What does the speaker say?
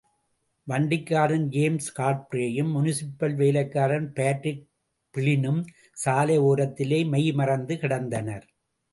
வண்டிக்காரன் ஜேம்ஸ் காட்பிரேயும், முனிசிப்பல் வேலைக்காரன் பாட்ரிக் பிளினும் சாலை ஓரத்திலே மெய்மறந்து கிடந்தனர்.